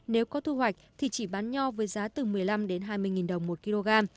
nếu có thu hoạch thì chỉ bán nho với giá từ một mươi năm hai mươi đồng một kg